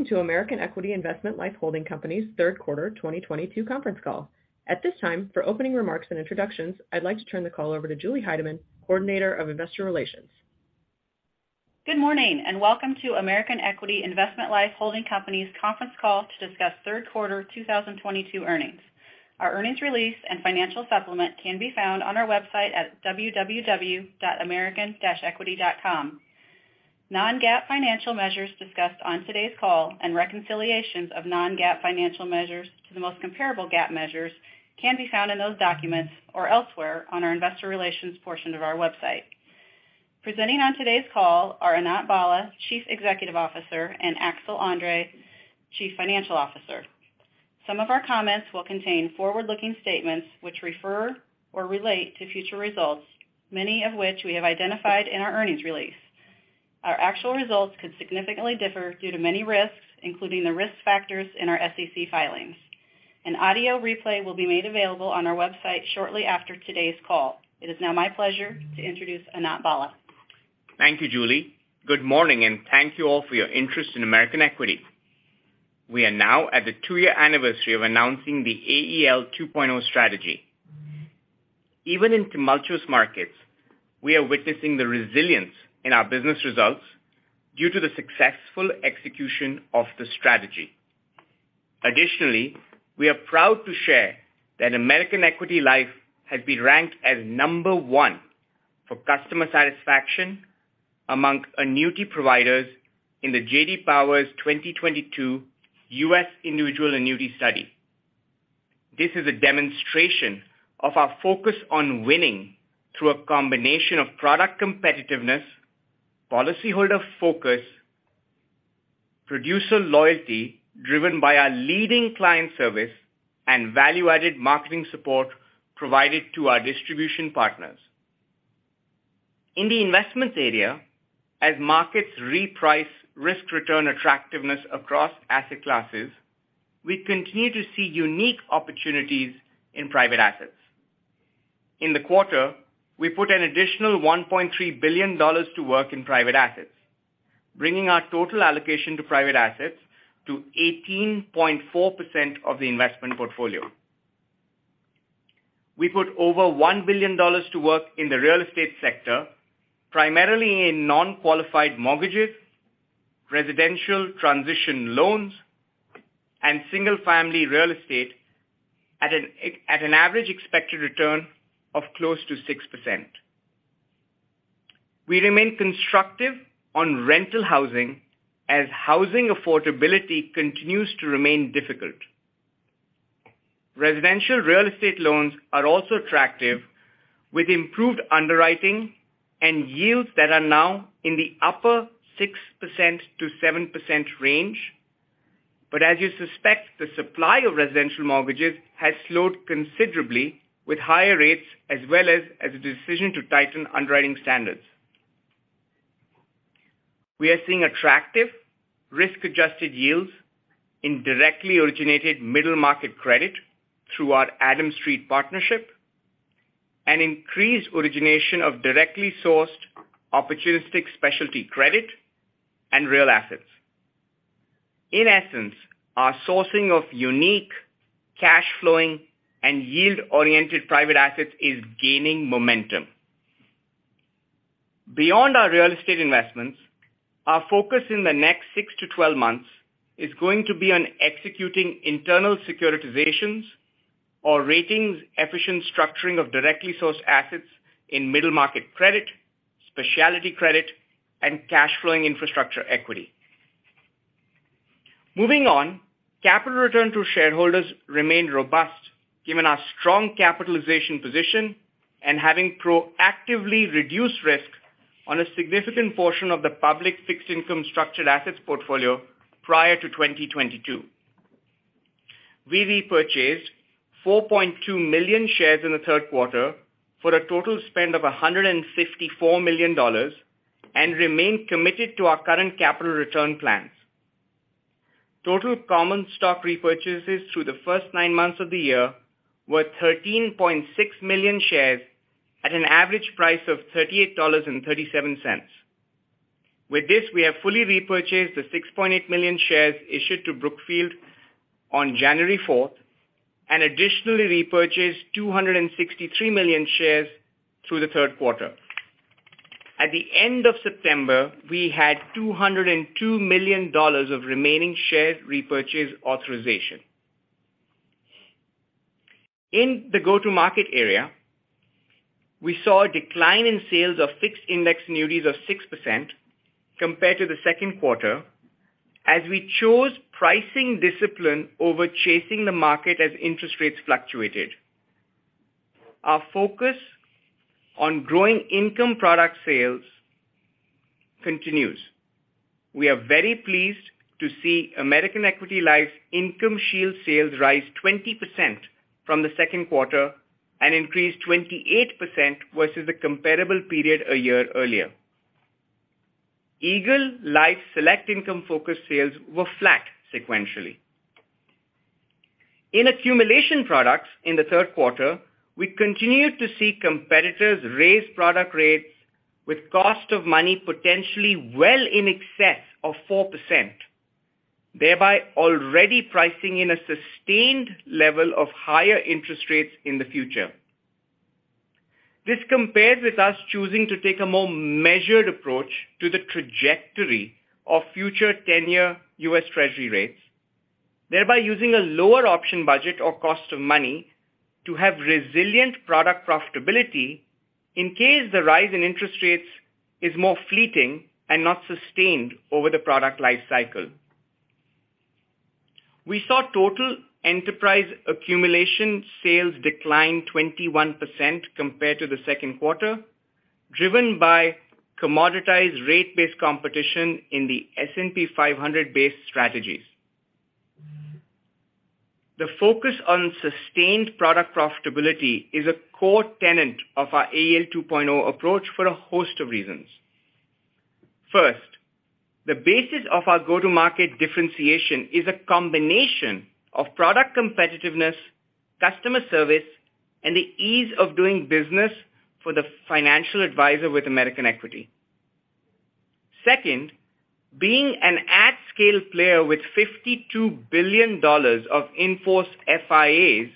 Welcome to American Equity Investment Life Holding Company's third quarter 2022 conference call. At this time, for opening remarks and introductions, I'd like to turn the call over to Julie Heidemann, Coordinator of Investor Relations. Good morning, and welcome to American Equity Investment Life Holding Company's conference call to discuss third quarter 2022 earnings. Our earnings release and financial supplement can be found on our website at www.american-equity.com. Non-GAAP financial measures discussed on today's call and reconciliations of non-GAAP financial measures to the most comparable GAAP measures can be found in those documents or elsewhere on our investor relations portion of our website. Presenting on today's call are Anant Bhalla, Chief Executive Officer, and Axel André, Chief Financial Officer. Some of our comments will contain forward-looking statements which refer or relate to future results, many of which we have identified in our earnings release. Our actual results could significantly differ due to many risks, including the risk factors in our SEC filings. An audio replay will be made available on our website shortly after today's call. It is now my pleasure to introduce Anant Bhalla. Thank you, Julie. Good morning, and thank you all for your interest in American Equity. We are now at the two-year anniversary of announcing the AEL 2.0 strategy. Even in tumultuous markets, we are witnessing the resilience in our business results due to the successful execution of the strategy. Additionally, we are proud to share that American Equity Life has been ranked as number one for customer satisfaction among annuity providers in the J.D. Power 2022 U.S. Individual Annuity Study. This is a demonstration of our focus on winning through a combination of product competitiveness, policyholder focus, producer loyalty, driven by our leading client service and value-added marketing support provided to our distribution partners. In the investment area, as markets reprice risk-return attractiveness across asset classes, we continue to see unique opportunities in private assets. In the quarter, we put an additional $1.3 billion to work in private assets, bringing our total allocation to private assets to 18.4% of the investment portfolio. We put over $1 billion to work in the real estate sector, primarily in non-qualified mortgages, residential transition loans, and single-family real estate at an average expected return of close to 6%. We remain constructive on rental housing as housing affordability continues to remain difficult. Residential real estate loans are also attractive with improved underwriting and yields that are now in the upper 6%-7% range. As you suspect, the supply of residential mortgages has slowed considerably with higher rates as well as the decision to tighten underwriting standards. We are seeing attractive risk-adjusted yields in directly originated middle market credit through our Adams Street Partners partnership and increased origination of directly sourced opportunistic specialty credit and real assets. In essence, our sourcing of unique cash flowing and yield-oriented private assets is gaining momentum. Beyond our real estate investments, our focus in the next six to twelve months is going to be on executing internal securitizations or ratings efficient structuring of directly sourced assets in middle market credit, specialty credit, and cash flowing infrastructure equity. Moving on, capital return to shareholders remain robust given our strong capitalization position and having proactively reduced risk on a significant portion of the public fixed income structured assets portfolio prior to 2022. We repurchased 4.2 million shares in the third quarter for a total spend of $154 million and remain committed to our current capital return plans. Total common stock repurchases through the first nine months of the year were 13.6 million shares at an average price of $38.37. With this, we have fully repurchased the 6.8 million shares issued to Brookfield on January fourth and additionally repurchased 263 million shares through the third quarter. At the end of September, we had $202 million of remaining share repurchase authorization. In the go-to-market area, we saw a decline in sales of fixed index annuities of 6% compared to the second quarter as we chose pricing discipline over chasing the market as interest rates fluctuated. Our focus on growing income product sales continues. We are very pleased to see American Equity Life IncomeShield sales rise 20% from the second quarter and increase 28% versus the comparable period a year earlier. Eagle Select Income Focus sales were flat sequentially. In accumulation products in the third quarter, we continued to see competitors raise product rates with cost of money potentially well in excess of 4%, thereby already pricing in a sustained level of higher interest rates in the future. This compares with us choosing to take a more measured approach to the trajectory of future ten-year U.S. Treasury rates, thereby using a lower option budget or cost of money to have resilient product profitability in case the rise in interest rates is more fleeting and not sustained over the product life cycle. We saw total enterprise accumulation sales decline 21% compared to the second quarter, driven by commoditized rate-based competition in the S&P 500 based strategies. The focus on sustained product profitability is a core tenet of our AEL 2.0 approach for a host of reasons. First, the basis of our go-to-market differentiation is a combination of product competitiveness, customer service, and the ease of doing business for the financial advisor with American Equity. Second, being an at-scale player with $52 billion of in-force FIAs,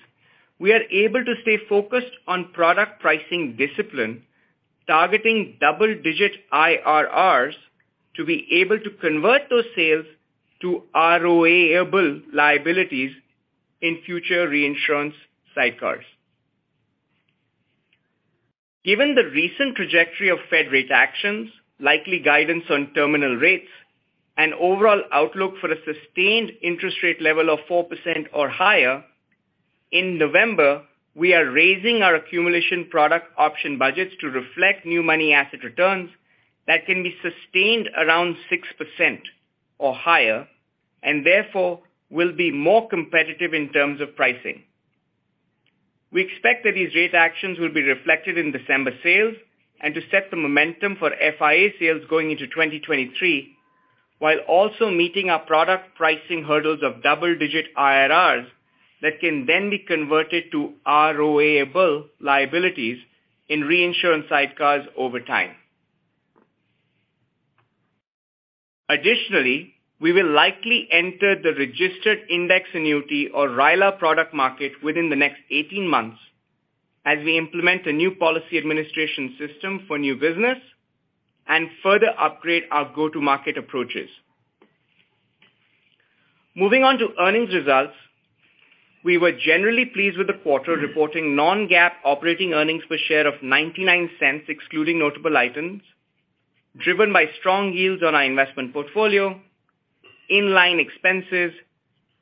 we are able to stay focused on product pricing discipline, targeting double-digit IRRs to be able to convert those sales to ROA-able liabilities in future reinsurance sidecars. Given the recent trajectory of Fed rate actions, likely guidance on terminal rates, and overall outlook for a sustained interest rate level of 4% or higher, in November, we are raising our accumulation product option budgets to reflect new money asset returns that can be sustained around 6% or higher, and therefore will be more competitive in terms of pricing. We expect that these rate actions will be reflected in December sales and to set the momentum for FIA sales going into 2023, while also meeting our product pricing hurdles of double-digit IRRs that can then be converted to ROA-able liabilities in reinsurance sidecars over time. Additionally, we will likely enter the registered index annuity or RILA product market within the next 18 months as we implement a new policy administration system for new business and further upgrade our go-to-market approaches. Moving on to earnings results. We were generally pleased with the quarter reporting non-GAAP operating earnings per share of $0.99, excluding notable items, driven by strong yields on our investment portfolio, in-line expenses,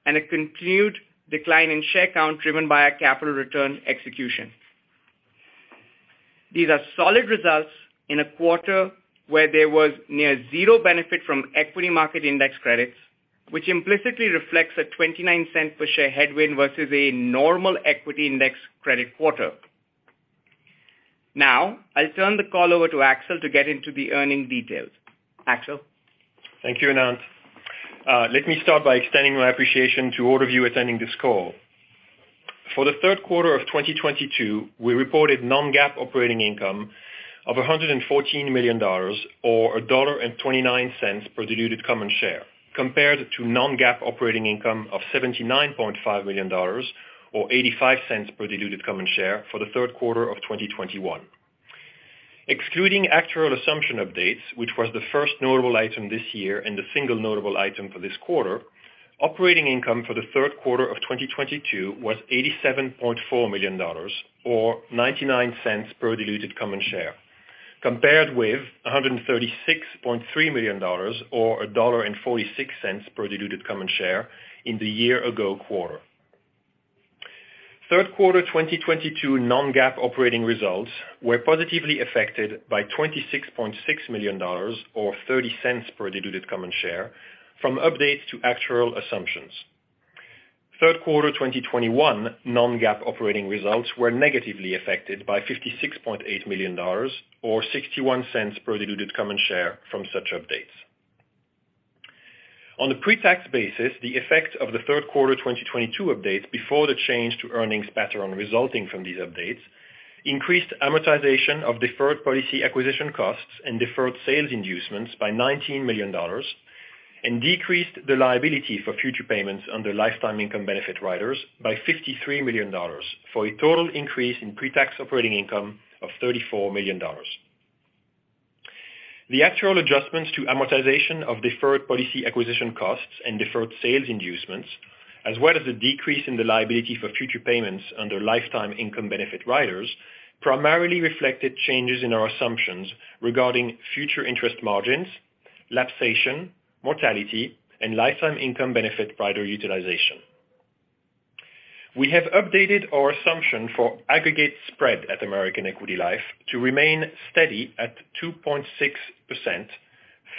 and a continued decline in share count driven by our capital return execution. These are solid results in a quarter where there was near zero benefit from equity market index credits, which implicitly reflects a $0.29 per share headwind versus a normal equity index credit quarter. Now, I'll turn the call over to Axel to get into the earnings details. Axel? Thank you, Anant. Let me start by extending my appreciation to all of you attending this call. For the third quarter of 2022, we reported non-GAAP operating income of $114 million or $1.29 per diluted common share, compared to non-GAAP operating income of $79.5 million or $0.85 per diluted common share for the third quarter of 2021. Excluding actuarial assumption updates, which was the first notable item this year and the single notable item for this quarter, operating income for the third quarter of 2022 was $87.4 million or $0.99 per diluted common share, compared with $136.3 million or $1.46 per diluted common share in the year ago quarter. Third quarter 2022 non-GAAP operating results were positively affected by $26.6 million or $0.30 per diluted common share from updates to actuarial assumptions. Third quarter 2021 non-GAAP operating results were negatively affected by $56.8 million or $0.61 per diluted common share from such updates. On a pre-tax basis, the effect of the third quarter 2022 updates before the change to earnings pattern resulting from these updates increased amortization of deferred policy acquisition costs and deferred sales inducements by $19 million and decreased the liability for future payments under lifetime income benefit riders by $53 million for a total increase in pre-tax operating income of $34 million. The actuarial adjustments to amortization of deferred policy acquisition costs and deferred sales inducements, as well as the decrease in the liability for future payments under lifetime income benefit riders, primarily reflected changes in our assumptions regarding future interest margins, lapsation, mortality, and lifetime income benefit rider utilization. We have updated our assumption for aggregate spread at American Equity Life to remain steady at 2.6%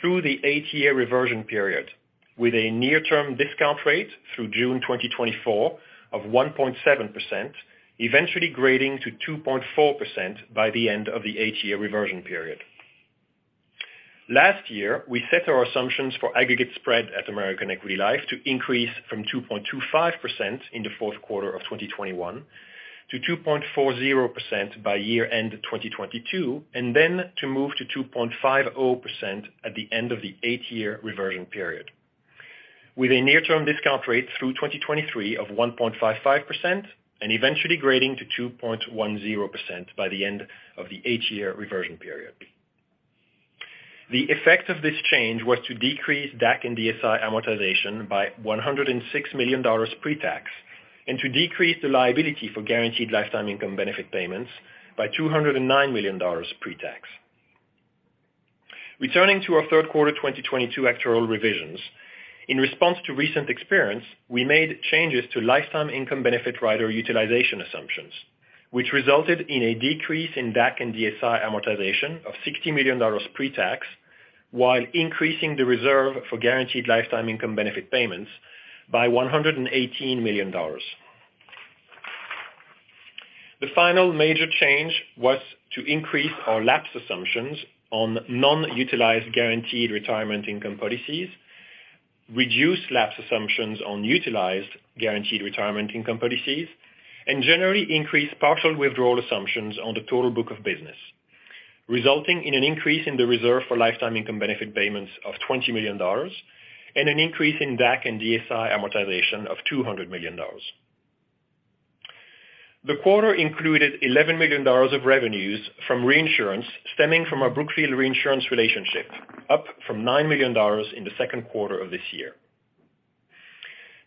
through the eight-year reversion period, with a near-term discount rate through June 2024 of 1.7%, eventually grading to 2.4% by the end of the eight-year reversion period. Last year, we set our assumptions for aggregate spread at American Equity Life to increase from 2.25% in the fourth quarter of 2021 to 2.40% by year-end of 2022, and then to move to 2.50% at the end of the eight-year reversion period, with a near-term discount rate through 2023 of 1.55% and eventually grading to 2.10% by the end of the eight-year reversion period. The effect of this change was to decrease DAC and DSI amortization by $106 million pre-tax, and to decrease the liability for guaranteed lifetime income benefit payments by $209 million pre-tax. Returning to our third quarter of 2022 actuarial revisions, in response to recent experience, we made changes to lifetime income benefit rider utilization assumptions, which resulted in a decrease in DAC and DSI amortization of $60 million pre-tax, while increasing the reserve for guaranteed lifetime income benefit payments by $118 million. The final major change was to increase our lapse assumptions on non-utilized guaranteed retirement income policies, reduce lapse assumptions on utilized guaranteed retirement income policies, and generally increase partial withdrawal assumptions on the total book of business, resulting in an increase in the reserve for lifetime income benefit payments of $20 million and an increase in DAC and DSI amortization of $200 million. The quarter included $11 million of revenues from reinsurance stemming from our Brookfield Reinsurance relationship, up from $9 million in the second quarter of this year.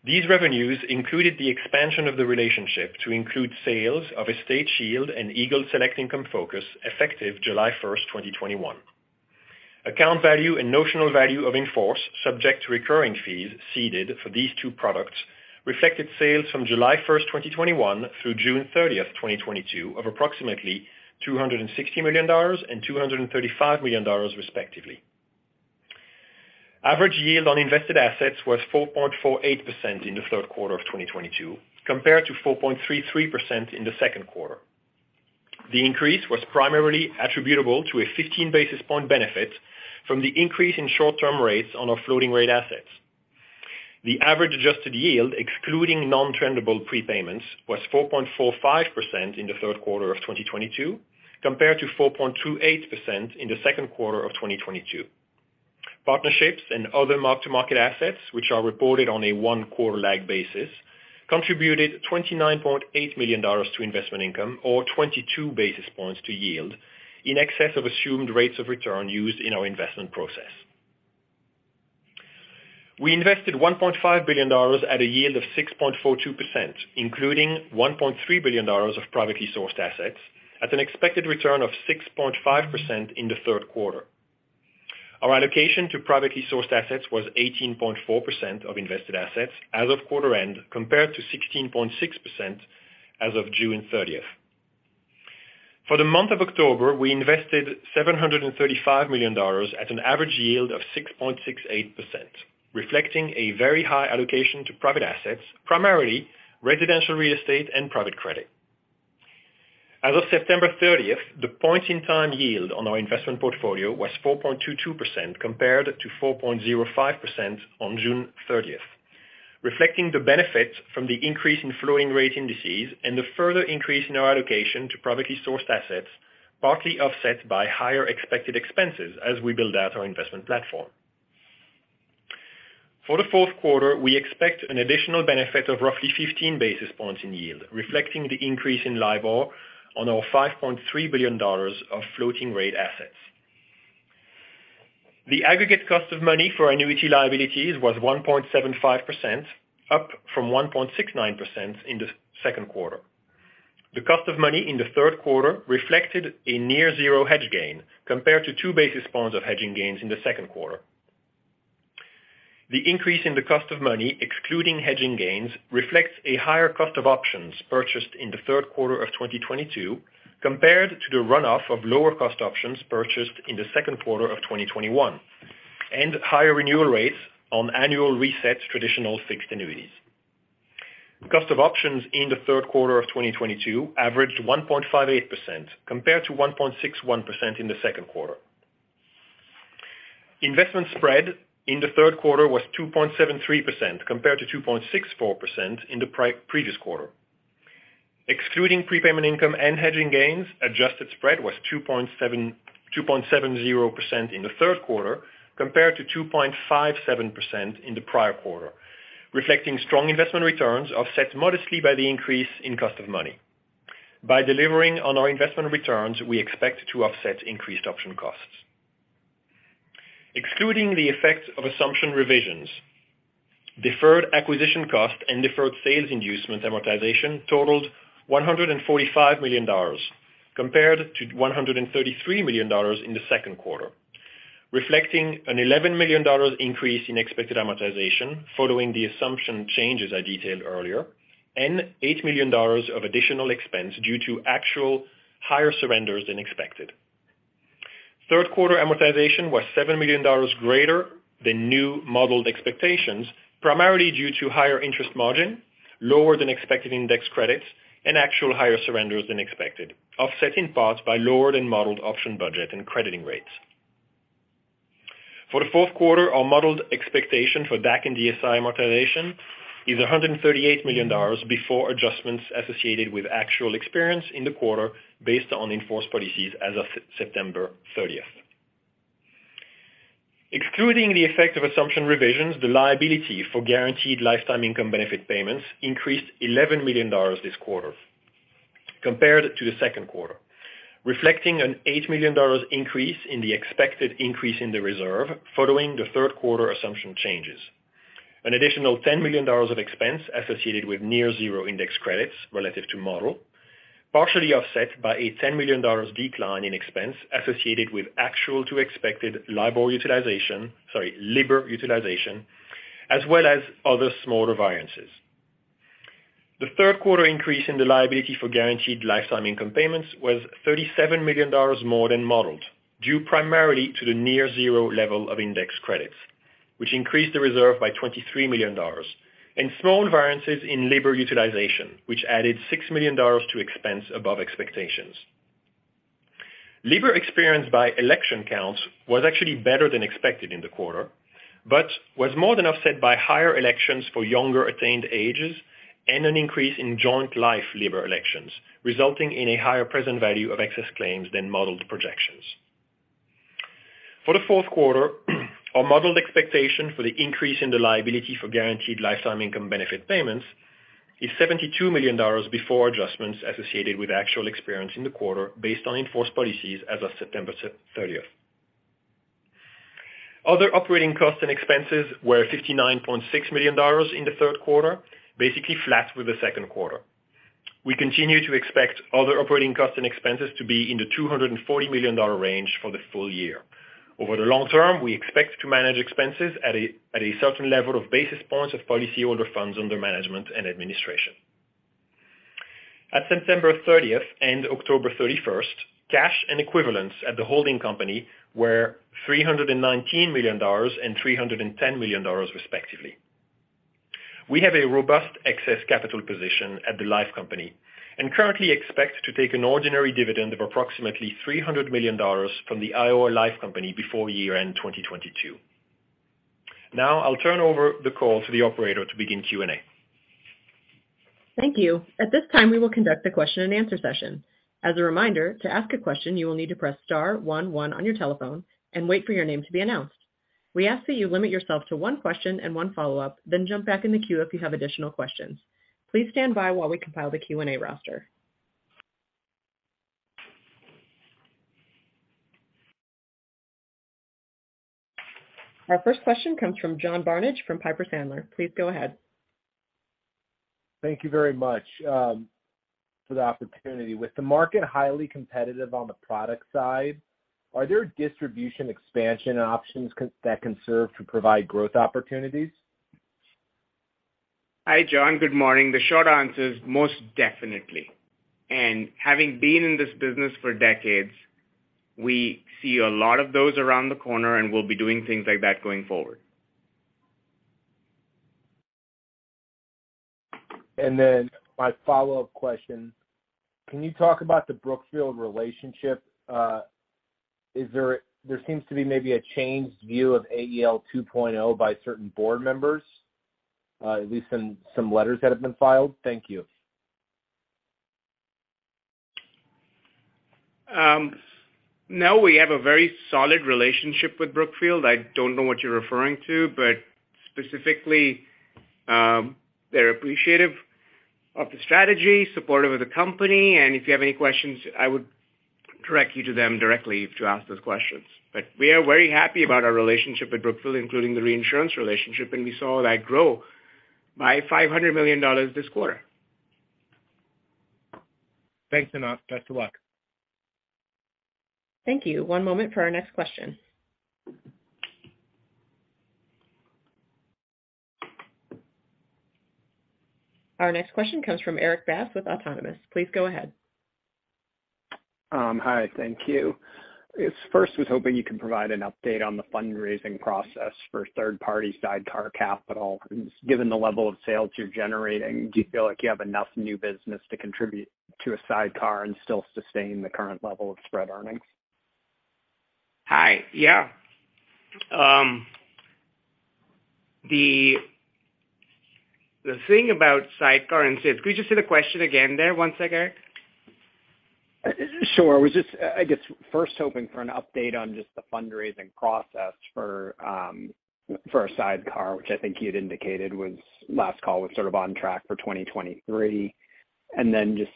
These revenues included the expansion of the relationship to include sales of EstateShield and Eagle Select Income Focus effective July 1, 2021. Account value and notional value of in-force subject to recurring fees ceded for these two products reflected sales from July 1, 2021 through June 30, 2022 of approximately $260 million and $235 million, respectively. Average yield on invested assets was 4.48% in the third quarter of 2022, compared to 4.33% in the second quarter. The increase was primarily attributable to a 15 basis points benefit from the increase in short-term rates on our floating rate assets. The average adjusted yield, excluding non-trendable prepayments, was 4.45% in the third quarter of 2022, compared to 4.28% in the second quarter of 2022. Partnerships and other mark-to-market assets, which are reported on a one quarter lag basis, contributed $29.8 million to investment income or 22 basis points to yield in excess of assumed rates of return used in our investment process. We invested $1.5 billion at a yield of 6.42%, including $1.3 billion of privately sourced assets at an expected return of 6.5% in the third quarter. Our allocation to privately sourced assets was 18.4% of invested assets as of quarter end, compared to 16.6% as of June 30. For the month of October, we invested $735 million at an average yield of 6.68%, reflecting a very high allocation to private assets, primarily residential real estate and private credit. As of September 30, the point-in-time yield on our investment portfolio was 4.22% compared to 4.05% on June 30, reflecting the benefit from the increase in floating rate indices and the further increase in our allocation to privately sourced assets, partly offset by higher expected expenses as we build out our investment platform. For the fourth quarter, we expect an additional benefit of roughly 15 basis points in yield, reflecting the increase in LIBOR on our $5.3 billion of floating rate assets. The aggregate cost of money for annuity liabilities was 1.75%, up from 1.69% in the second quarter. The cost of money in the third quarter reflected a near zero hedge gain compared to 2 basis points of hedging gains in the second quarter. The increase in the cost of money, excluding hedging gains, reflects a higher cost of options purchased in the third quarter of 2022 compared to the run-off of lower cost options purchased in the second quarter of 2021 and higher renewal rates on annual reset traditional fixed annuities. Cost of options in the third quarter of 2022 averaged 1.58% compared to 1.61% in the second quarter. Investment spread in the third quarter was 2.73% compared to 2.64% in the previous quarter. Excluding prepayment income and hedging gains, adjusted spread was 2.70% in the third quarter compared to 2.57% in the prior quarter, reflecting strong investment returns offset modestly by the increase in cost of money. By delivering on our investment returns, we expect to offset increased option costs. Excluding the effect of assumption revisions, deferred acquisition costs and deferred sales inducement amortization totaled $145 million compared to $133 million in the second quarter, reflecting an $11 million increase in expected amortization following the assumption changes I detailed earlier, and $8 million of additional expense due to actual higher surrenders than expected. Third quarter amortization was $7 million greater than new modeled expectations, primarily due to higher interest margin, lower than expected index credits and actual higher surrenders than expected, offset in part by lower than modeled option budget and crediting rates. For the fourth quarter, our modeled expectation for DAC and DSI amortization is $138 million before adjustments associated with actual experience in the quarter based on in-force policies as of September thirtieth. Excluding the effect of assumption revisions, the liability for guaranteed lifetime income benefit payments increased $11 million this quarter compared to the second quarter, reflecting an $8 million increase in the expected increase in the reserve following the third quarter assumption changes. An additional $10 million of expense associated with near zero index credits relative to model, partially offset by a $10 million decline in expense associated with actual to expected LIBR utilization, sorry, LIBR utilization, as well as other smaller variances. The third quarter increase in the liability for guaranteed lifetime income payments was $37 million more than modeled, due primarily to the near zero level of index credits, which increased the reserve by $23 million, and small variances in LIBR utilization, which added $6 million to expense above expectations. LIBR experience by election counts was actually better than expected in the quarter, but was more than offset by higher elections for younger attained ages and an increase in joint life LIBR elections, resulting in a higher present value of excess claims than modeled projections. For the fourth quarter, our modeled expectation for the increase in the liability for guaranteed lifetime income benefit payments is $72 million before adjustments associated with actual experience in the quarter based on in force policies as of September 30. Other operating costs and expenses were $59.6 million in the third quarter, basically flat with the second quarter. We continue to expect other operating costs and expenses to be in the $240 million range for the full year. Over the long term, we expect to manage expenses at a certain level of basis points of policyholder funds under management and administration. At September 30th and October 31st, cash and equivalents at the holding company were $319 million and $310 million, respectively. We have a robust excess capital position at the life company and currently expect to take an ordinary dividend of approximately $300 million from our life company before year-end 2022. Now I'll turn over the call to the operator to begin Q&A. Thank you. At this time, we will conduct a question-and-answer session. As a reminder, to ask a question, you will need to press star one one on your telephone and wait for your name to be announced. We ask that you limit yourself to one question and one follow-up, then jump back in the queue if you have additional questions. Please stand by while we compile the Q&A roster. Our first question comes from John Barnidge from Piper Sandler. Please go ahead. Thank you very much, for the opportunity. With the market highly competitive on the product side, are there distribution expansion options that can serve to provide growth opportunities? Hi, John. Good morning. The short answer is most definitely. Having been in this business for decades, we see a lot of those around the corner, and we'll be doing things like that going forward. My follow-up question, can you talk about the Brookfield relationship? There seems to be maybe a changed view of AEL 2.0 by certain board members, at least in some letters that have been filed. Thank you. No, we have a very solid relationship with Brookfield. I don't know what you're referring to, but specifically, they're appreciative of the strategy, supportive of the company, and if you have any questions, I would direct you to them directly to ask those questions. We are very happy about our relationship with Brookfield, including the reinsurance relationship, and we saw that grow by $500 million this quarter. Thanks, Anant. Best of luck. Thank you. One moment for our next question. Our next question comes from Erik Bass with Autonomous Research. Please go ahead. Hi. Thank you. First, I was hoping you can provide an update on the fundraising process for third-party sidecar capital. Given the level of sales you're generating, do you feel like you have enough new business to contribute to a sidecar and still sustain the current level of spread earnings? Hi. Yeah. The thing about sidecar and sales. Could you just say the question again there one second, Erik? Sure. I was just, I guess, first hoping for an update on just the fundraising process for a sidecar, which I think you'd indicated last call was sort of on track for 2023. Just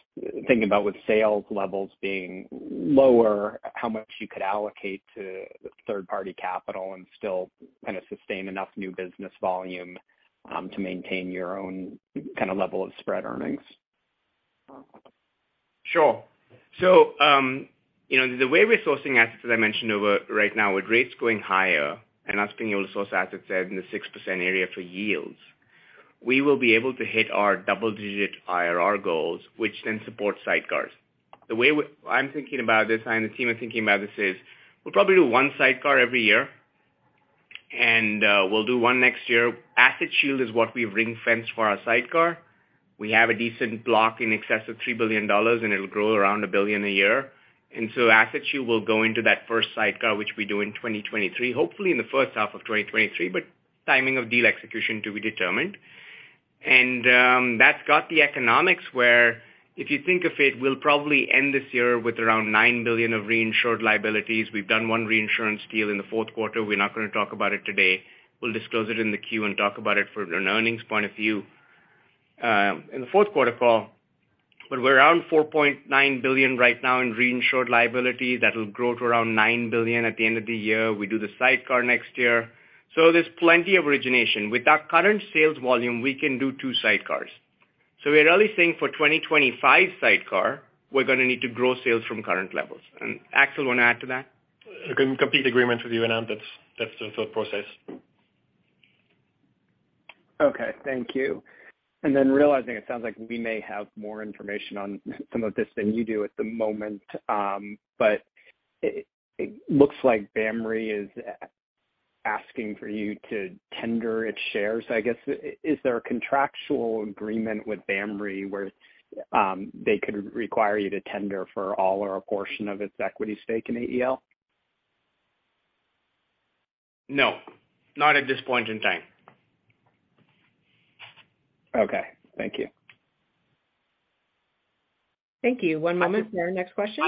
thinking about with sales levels being lower, how much you could allocate to third-party capital and still kind of sustain enough new business volume to maintain your own kind of level of spread earnings. Sure. You know, the way we're sourcing assets, as I mentioned earlier, right now, with rates going higher and us being able to source assets in the 6% area for yields, we will be able to hit our double-digit IRR goals, which then support sidecars. The way I'm thinking about this and the team are thinking about this is we'll probably do one sidecar every year. We'll do one next year. AssetShield is what we've ring-fenced for our sidecar. We have a decent block in excess of $3 billion, and it'll grow around $1 billion a year. AssetShield will go into that first sidecar, which we do in 2023, hopefully in the first half of 2023, but timing of deal execution to be determined. That's got the economics where if you think of it, we'll probably end this year with around $9 billion of reinsured liabilities. We've done one reinsurance deal in the fourth quarter. We're not going to talk about it today. We'll disclose it in the 10-Q and talk about it for an earnings point of view, in the fourth quarter call. We're around $4.9 billion right now in reinsured liability. That'll grow to around $9 billion at the end of the year. We do the sidecar next year. There's plenty of origination. With our current sales volume, we can do 2 sidecars. We're really saying for 2025 sidecar, we're going to need to grow sales from current levels. Axel, want to add to that? I'm in complete agreement with you, Anant. That's the thought process. Okay, thank you. Realizing it sounds like we may have more information on some of this than you do at the moment, but it looks like BAMR is asking for you to tender its shares, I guess. Is there a contractual agreement with BAMR where they could require you to tender for all or a portion of its equity stake in AEL? No, not at this point in time. Okay, thank you. Thank you. One moment for our next question.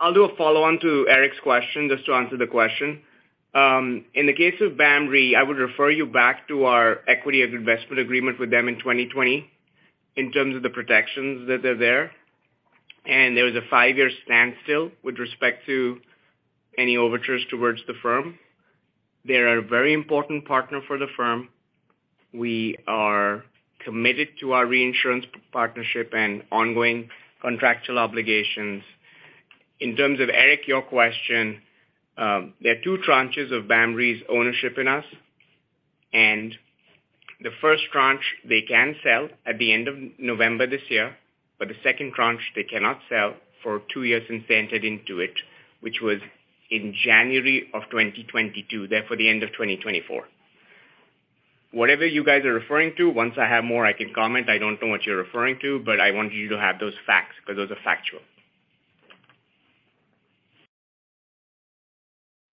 I'll do a follow-on to Eric's question just to answer the question. In the case of BAMR, I would refer you back to our equity and investment agreement with them in 2020 in terms of the protections that are there. There was a five-year standstill with respect to any overtures towards the firm. They're a very important partner for the firm. We are committed to our reinsurance partnership and ongoing contractual obligations. In terms of Eric, your question, there are two tranches of BAMR's ownership in us, and the first tranche they can sell at the end of November this year, but the second tranche they cannot sell for two years since they entered into it, which was in January of 2022, therefore the end of 2024. Whatever you guys are referring to, once I have more, I can comment. I don't know what you're referring to, but I want you to have those facts because those are factual.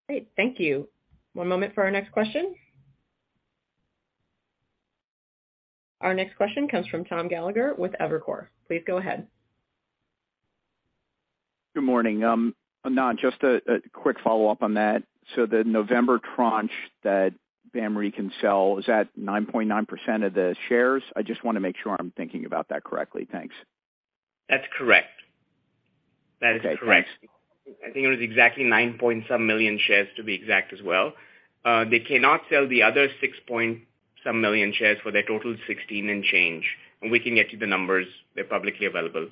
Great. Thank you. One moment for our next question. Our next question comes from Tom Gallagher with Evercore. Please go ahead. Good morning. Anant, just a quick follow-up on that. The November tranche that BAMR can sell, is that 9.9% of the shares? I just want to make sure I'm thinking about that correctly. Thanks. That's correct. That is correct. Okay, thanks. I think it was exactly 9-something million shares to be exact as well. They cannot sell the other 6-something million shares for their total 16 and change. We can get you the numbers. They're publicly available.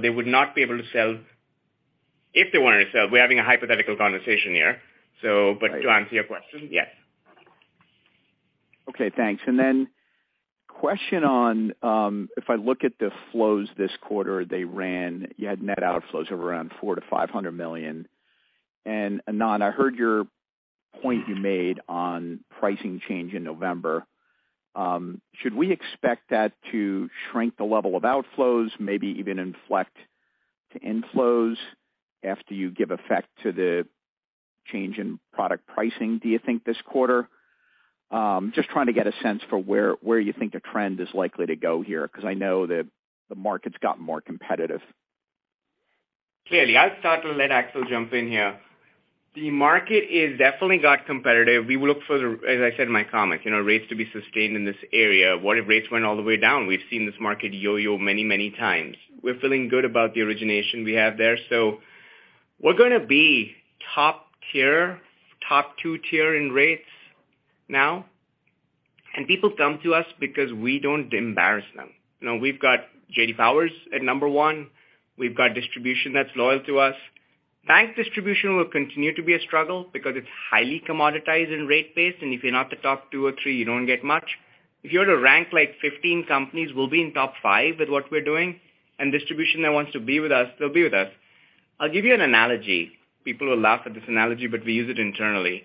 They would not be able to sell if they wanted to sell. We're having a hypothetical conversation here. To answer your question, yes. Okay, thanks. Then question on, if I look at the flows this quarter, you had net outflows of around $400 million-$500 million. Anant, I heard your point you made on pricing change in November. Should we expect that to shrink the level of outflows, maybe even inflect to inflows after you give effect to the change in product pricing, do you think this quarter? Just trying to get a sense for where you think the trend is likely to go here, because I know the market's gotten more competitive. Clearly. I'll start to let Axel jump in here. The market is definitely getting competitive. We will look for the, as I said in my comment, you know, rates to be sustained in this area. What if rates went all the way down? We've seen this market yo-yo many, many times. We're feeling good about the origination we have there. We're going to be top tier, top two tier in rates now. People come to us because we don't embarrass them. You know, we've got J.D. Power at number one. We've got distribution that's loyal to us. Bank distribution will continue to be a struggle because it's highly commoditized and rate-based, and if you're not the top two or three, you don't get much. If you were to rank like 15 companies, we'll be in top 5 with what we're doing. Distribution that wants to be with us, they'll be with us. I'll give you an analogy. People will laugh at this analogy, but we use it internally.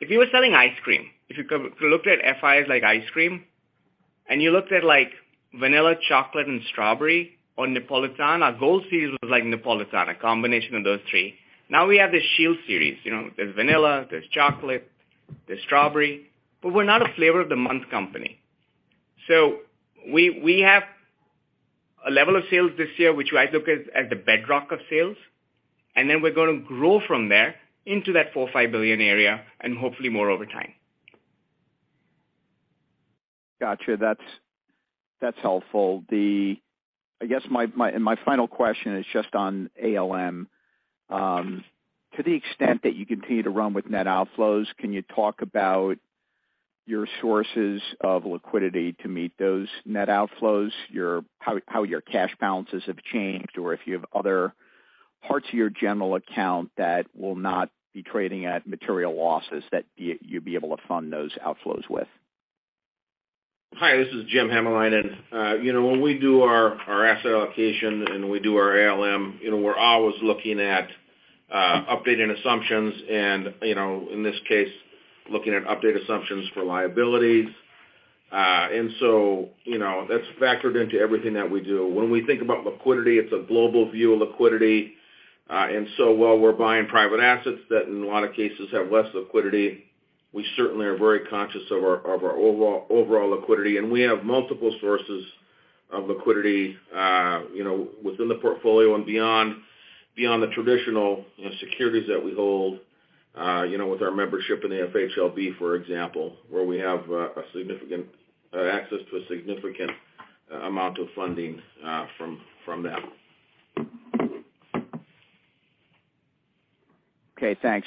If you were selling ice cream, if you looked at FIAs like ice cream, and you looked at, like, vanilla, chocolate, and strawberry or Neapolitan, our Gold Series was like Neapolitan, a combination of those three. Now we have this Shield series. You know, there's vanilla, there's chocolate, there's strawberry, but we're not a flavor of the month company. We have a level of sales this year, which I look at the bedrock of sales, and then we're going to grow from there into that $4 billion-$5 billion area and hopefully more over time. Got you. That's helpful. I guess my final question is just on ALM. To the extent that you continue to run with net outflows, can you talk about your sources of liquidity to meet those net outflows? How your cash balances have changed or if you have other parts of your general account that will not be trading at material losses that you'd be able to fund those outflows with? Hi, this is Jim Hamalainen, and you know, when we do our asset allocation and we do our ALM, you know, we're always looking at updating assumptions and, you know, in this case, looking at updated assumptions for liabilities. That's factored into everything that we do. When we think about liquidity, it's a global view of liquidity. While we're buying private assets that in a lot of cases have less liquidity, we certainly are very conscious of our overall liquidity. We have multiple sources of liquidity, you know, within the portfolio and beyond the traditional securities that we hold, you know, with our membership in the FHLB, for example, where we have significant access to a significant amount of funding from them. Okay, thanks.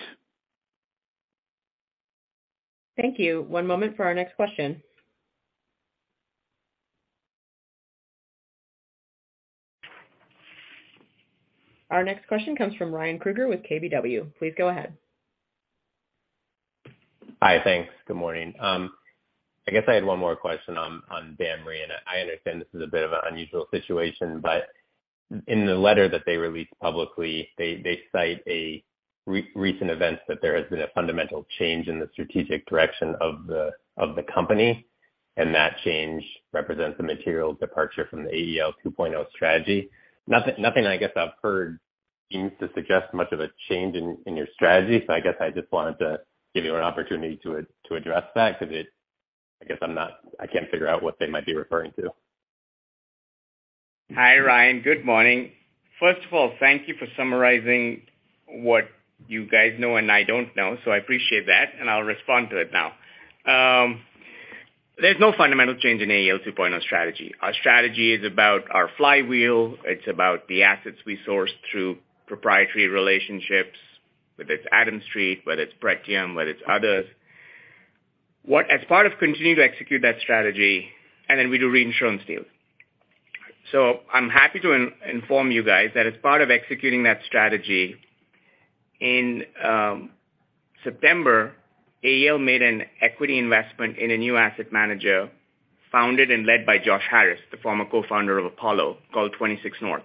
Thank you. One moment for our next question. Our next question comes from Ryan Krueger with KBW. Please go ahead. Hi. Thanks. Good morning. I guess I had one more question on BAMR, and I understand this is a bit of an unusual situation, but in the letter that they released publicly, they cite a recent event that there has been a fundamental change in the strategic direction of the company, and that change represents a material departure from the AEL 2.0 strategy. Nothing I guess I've heard seems to suggest much of a change in your strategy. I guess I just wanted to give you an opportunity to address that 'cause I can't figure out what they might be referring to. Hi, Ryan. Good morning. First of all, thank you for summarizing what you guys know and I don't know, so I appreciate that, and I'll respond to it now. There's no fundamental change in AEL 2.0 strategy. Our strategy is about our flywheel. It's about the assets we source through proprietary relationships, whether it's Adams Street, whether it's Pretium, whether it's others. As part of continuing to execute that strategy, and then we do reinsurance deals. I'm happy to inform you guys that as part of executing that strategy, in September, AEL made an equity investment in a new asset manager, founded and led by Josh Harris, the former co-founder of Apollo, called 26North.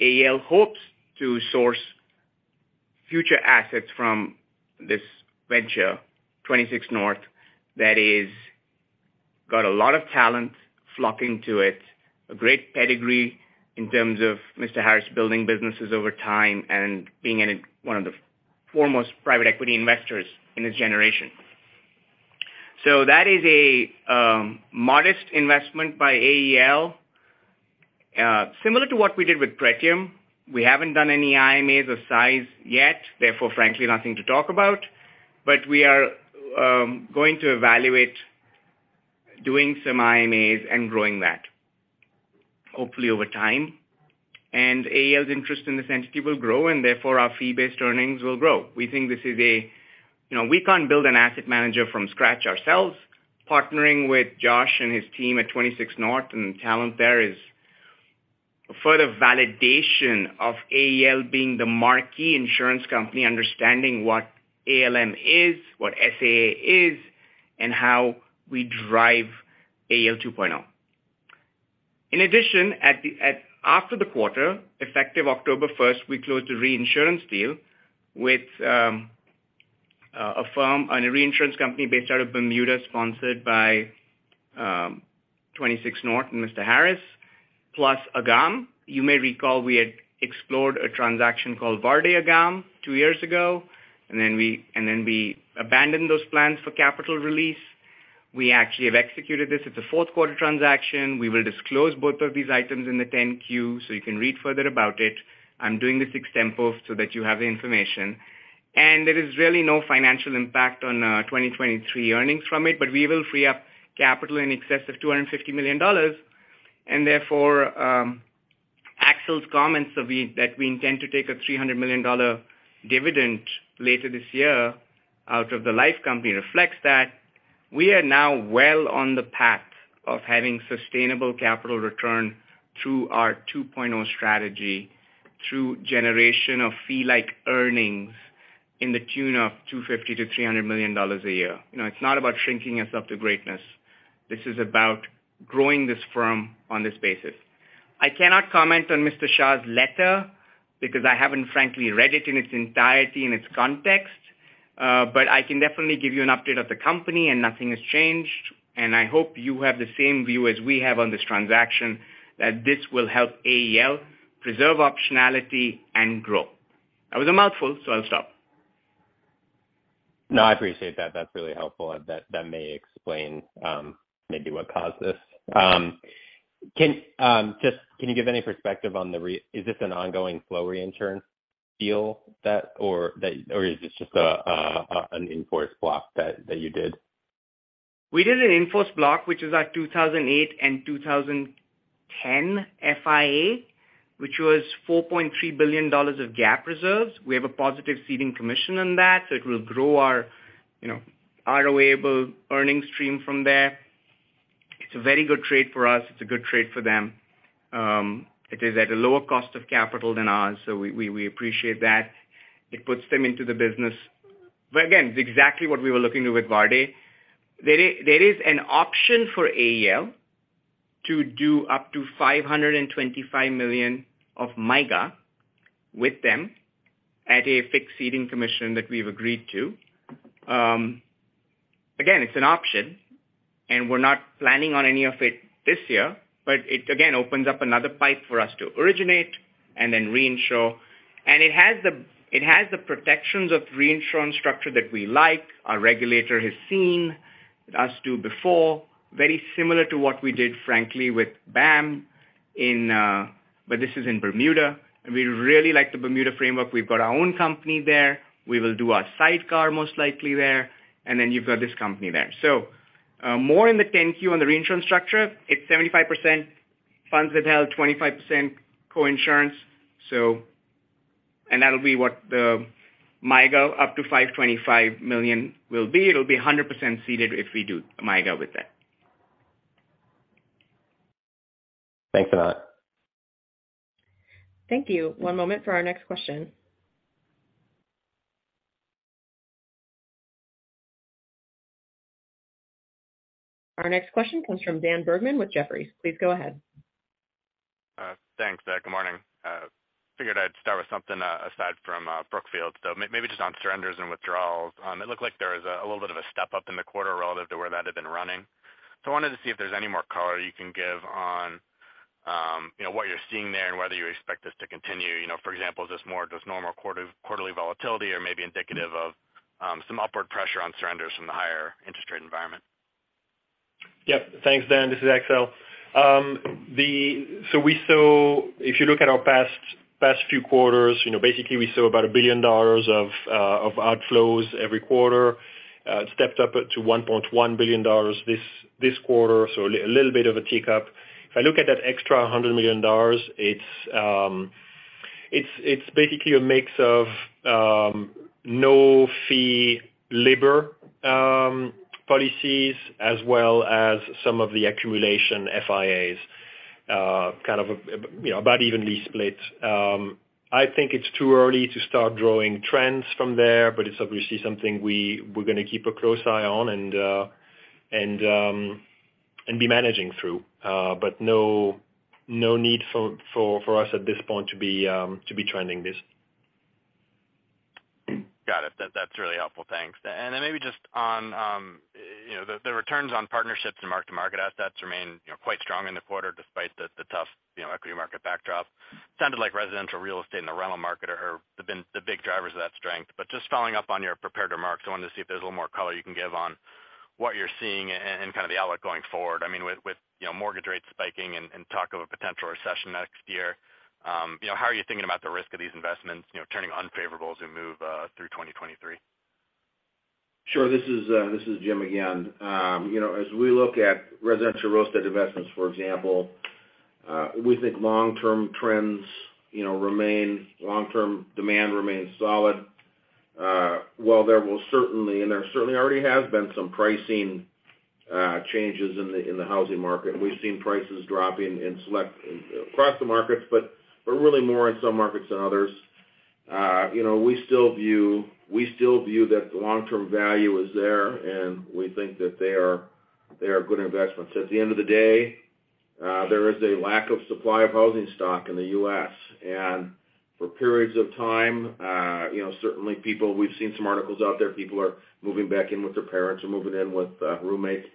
AEL hopes to source future assets from this venture, 26North Partners, that is, got a lot of talent flocking to it, a great pedigree in terms of Mr. Harris building businesses over time and being one of the foremost private equity investors in this generation. That is a modest investment by AEL, similar to what we did with Pretium Partners. We haven't done any IMAs of size yet, therefore, frankly, nothing to talk about. We are going to evaluate doing some IMAs and growing that, hopefully over time. AEL's interest in this entity will grow, and therefore, our fee-based earnings will grow. We think this is a. You know, we can't build an asset manager from scratch ourselves. Partnering with Josh and his team at 26North and talent there is a further validation of AEL being the marquee insurance company, understanding what ALM is, what SAA is, and how we drive AEL 2.0. In addition, after the quarter, effective October 1, we closed a reinsurance deal with a firm and a reinsurance company based out of Bermuda, sponsored by 26North and Mr. Harris, plus Agam. You may recall we had explored a transaction called Värde-Agam 2 years ago, and then we abandoned those plans for capital release. We actually have executed this. It's a fourth-quarter transaction. We will disclose both of these items in the 10-Q, so you can read further about it. I'm doing this extemporaneously so that you have the information. There is really no financial impact on 2023 earnings from it, but we will free up capital in excess of $250 million. Therefore, Axel's comments that we intend to take a $300 million dividend later this year out of the life company reflects that. We are now well on the path of having sustainable capital return through our AEL 2.0 strategy, through generation of fee-like earnings to the tune of $250-$300 million a year. You know, it's not about shrinking us up to greatness. This is about growing this firm on this basis. I cannot comment on Mr. Shah's letter because I haven't frankly read it in its entirety, in its context, but I can definitely give you an update of the company and nothing has changed, and I hope you have the same view as we have on this transaction, that this will help AEL preserve optionality and grow. That was a mouthful, so I'll stop. No, I appreciate that. That's really helpful, and that may explain maybe what caused this. Just, can you give any perspective? Is this an ongoing flow-through deal, or is this just an in-force block that you did? We did an in-force block, which is our 2008 and 2010 FIA, which was $4.3 billion of GAAP reserves. We have a positive ceding commission on that, so it will grow our, you know, ROA-able earnings stream from there. It's a very good trade for us. It's a good trade for them. It is at a lower cost of capital than ours, so we appreciate that. It puts them into the business. Again, it's exactly what we were looking to with Värde. There is an option for AEL to do up to $525 million of MYGA with them at a fixed ceding commission that we've agreed to. Again, it's an option, and we're not planning on any of it this year, but it again opens up another pipeline for us to originate and then reinsure. It has the protections of reinsurance structure that we like. Our regulator has seen us do before, very similar to what we did, frankly, with BAMR, but this is in Bermuda. We really like the Bermuda framework. We've got our own company there. We will do our sidecar most likely there, and then you've got this company there. More in the 10-Q on the reinsurance structure. It's 75% funds withheld, 25% coinsurance. That'll be what the MYGA up to $525 million will be. It'll be 100% ceded if we do MYGA with that. Thanks, Anant. Thank you. One moment for our next question. Our next question comes from Daniel Bergman with Jefferies. Please go ahead. Thanks. Good morning. Figured I'd start with something aside from Brookfield. Maybe just on surrenders and withdrawals. It looked like there was a little bit of a step up in the quarter relative to where that had been running. I wanted to see if there's any more color you can give on, you know, what you're seeing there and whether you expect this to continue. You know, for example, is this more just normal quarterly volatility or maybe indicative of some upward pressure on surrenders from the higher interest rate environment? Yep. Thanks, Dan. This is Axel. We saw, if you look at our past few quarters, you know, basically we saw about $1 billion of outflows every quarter, stepped up to $1.1 billion this quarter. A little bit of a tick up. If I look at that extra $100 million, it's basically a mix of no-fee LIBR policies as well as some of the accumulation FIAs, kind of, you know, about evenly split. I think it's too early to start drawing trends from there, but it's obviously something we're going to keep a close eye on and be managing through. No need for us at this point to be trending this. Got it. That's really helpful. Thanks. Then maybe just on, you know, the returns on partnerships and mark-to-market assets remain, you know, quite strong in the quarter despite the tough, you know, equity market backdrop. Sounded like residential real estate and the rental market are the big drivers of that strength. Just following up on your prepared remarks, I wanted to see if there's a little more color you can give on what you're seeing and kind of the outlook going forward. I mean, with you know, mortgage rates spiking and talk of a potential recession next year, you know, how are you thinking about the risk of these investments, you know, turning unfavorable as we move through 2023? Sure. This is Jim again. You know, as we look at residential real estate investments, for example, we think long-term trends, you know, remain long-term demand remains solid. While there certainly already has been some pricing changes in the housing market. We've seen prices dropping in select across the markets, but really more in some markets than others. You know, we still view that the long-term value is there, and we think that they are good investments. At the end of the day, there is a lack of supply of housing stock in the U.S. For periods of time, you know, certainly. We've seen some articles out there, people are moving back in with their parents or moving in with roommates.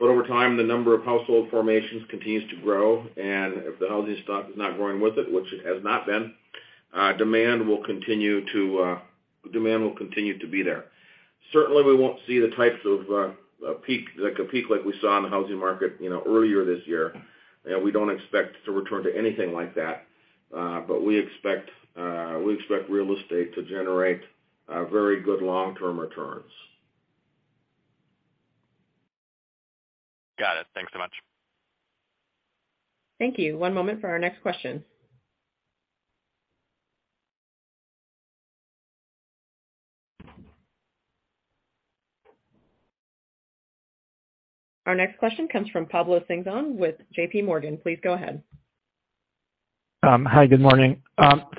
Over time, the number of household formations continues to grow. If the housing stock is not growing with it, which it has not been, demand will continue to be there. Certainly, we won't see the types of a peak like we saw in the housing market, you know, earlier this year. We don't expect to return to anything like that. We expect real estate to generate very good long-term returns. Got it. Thanks so much. Thank you. One moment for our next question. Our next question comes from Pablo Singzon with JP Morgan. Please go ahead. Hi, good morning.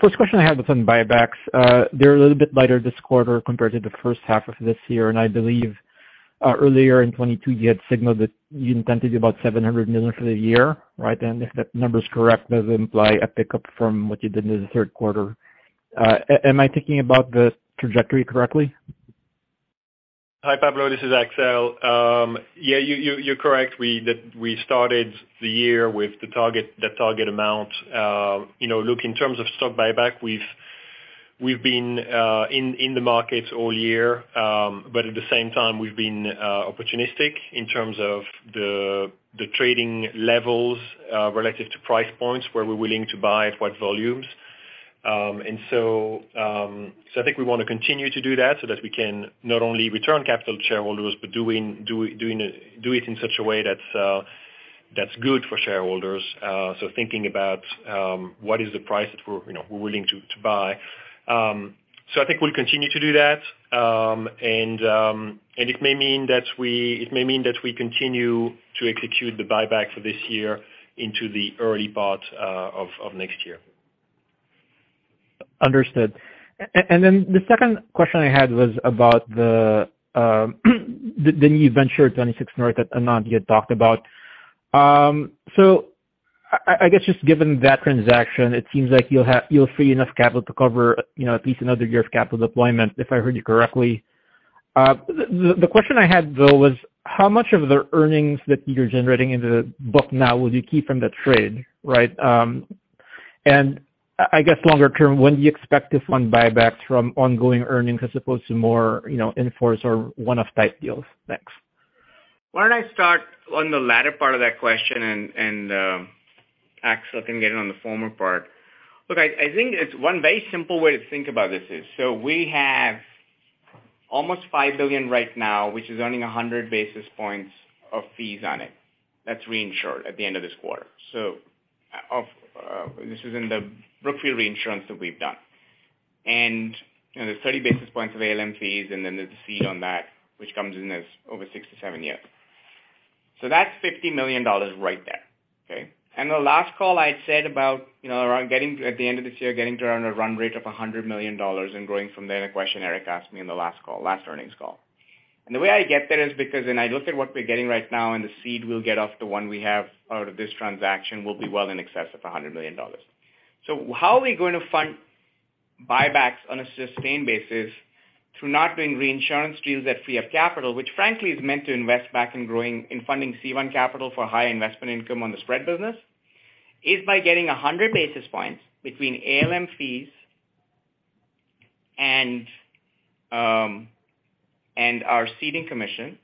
First question I have is on buybacks. They're a little bit lighter this quarter compared to the first half of this year. I believe, earlier in 2022, you had signaled that you intended about $700 million for the year, right? If that number is correct, does imply a pickup from what you did in the third quarter. Am I thinking about the trajectory correctly? Hi, Pablo. This is Axel. You're correct. We started the year with the target amount. You know, look, in terms of stock buyback, we've been in the markets all year. But at the same time, we've been opportunistic in terms of the trading levels relative to price points, where we're willing to buy at what volumes. So I think we want to continue to do that so that we can not only return capital to shareholders, but doing it in such a way that's good for shareholders. Thinking about what is the price that we're, you know, we're willing to buy. I think we'll continue to do that, and it may mean that we continue to execute the buyback for this year into the early part of next year. Understood. Then the second question I had was about the new venture at 26 North that Anant, you had talked about. So I guess just given that transaction, it seems like you'll free enough capital to cover, you know, at least another year of capital deployment, if I heard you correctly. The question I had though was how much of the earnings that you're generating into the book now will you keep from the trade, right? I guess longer term, when do you expect to fund buybacks from ongoing earnings as opposed to more, you know, in force or one-off type deals? Thanks. Why don't I start on the latter part of that question, Axel can get it on the former part. Look, I think it's one very simple way to think about this is so we have almost $5 billion right now, which is earning 100 basis points of fees on it. That's reinsured at the end of this quarter. Of this is in the Brookfield Reinsurance that we've done. You know, there's 30 basis points of ALM fees, and then there's a fee on that which comes in as over 6-7 years. That's $50 million right there, okay? The last call I had said about, you know, around getting at the end of this year, getting to around a run rate of $100 million and growing from there in a question Erik Bass asked me in the last call, last earnings call. The way I get there is because when I look at what we're getting right now and the seed we'll get off the one we have out of this transaction will be well in excess of $100 million. How are we gonna fund buybacks on a sustained basis through not doing reinsurance deals that free up capital, which frankly is meant to invest back in growing, in funding C1 capital for high investment income on the spread business? It is by getting 100 basis points between ALM fees and our ceding commission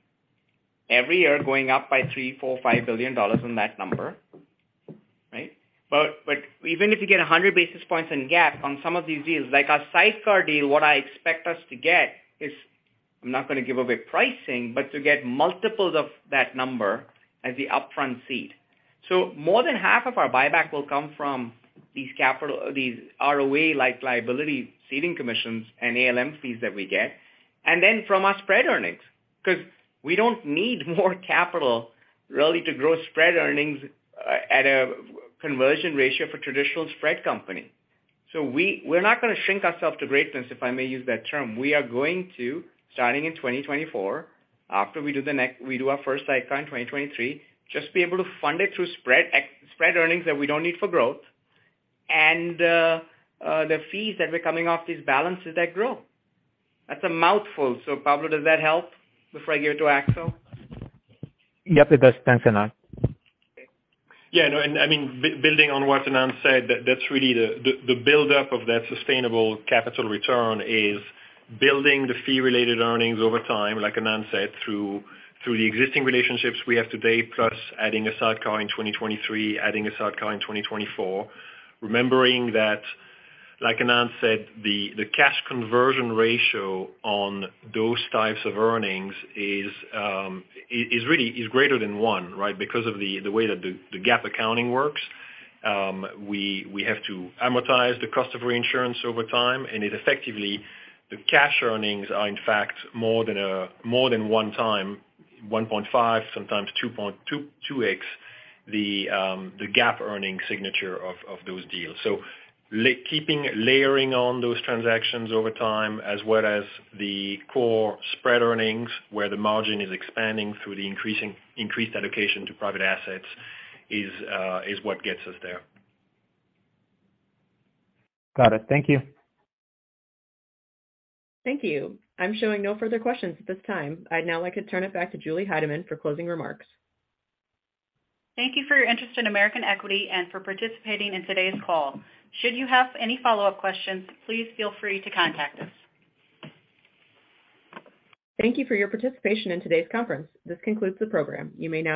every year going up by $3 billion, $4 billion, $5 billion on that number, right. Even if you get 100 basis points on GAAP on some of these deals, like our sidecar deal, what I expect us to get is I am not gonna give away pricing, but to get multiples of that number as the upfront seed. More than half of our buyback will come from these capital, these ROA-like liability ceding commissions and ALM fees that we get. From our spread earnings, 'cause we don't need more capital really to grow spread earnings at a conversion ratio for traditional spread company. We're not gonna shrink ourself to greatness, if I may use that term. We are going to, starting in 2024, after we do our first sidecar in 2023, just be able to fund it through spread earnings that we don't need for growth and the fees that were coming off these balances that grow. That's a mouthful. Pablo, does that help before I get to Axel? Yep, it does. Thanks, Anant. Yeah, no, I mean, building on what Anant said, that's really the buildup of that sustainable capital return is building the fee-related earnings over time, like Anant said, through the existing relationships we have today, plus adding a sidecar in 2023, adding a sidecar in 2024. Remembering that, like Anant said, the cash conversion ratio on those types of earnings is really greater than one, right? Because of the way that the GAAP accounting works. We have to amortize the cost of reinsurance over time, and it effectively, the cash earnings are in fact more than one time, 1.5, sometimes 2x, the GAAP earning signature of those deals. Layering on those transactions over time as well as the core spread earnings where the margin is expanding through the increased allocation to private assets is what gets us there. Got it. Thank you. Thank you. I'm showing no further questions at this time. I'd now like to turn it back to Julie Heidemann for closing remarks. Thank you for your interest in American Equity and for participating in today's call. Should you have any follow-up questions, please feel free to contact us. Thank you for your participation in today's conference. This concludes the program. You may now disconnect.